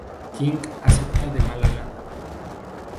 King acepta de mala gana.